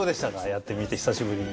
やってみて久しぶりに。